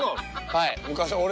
はい。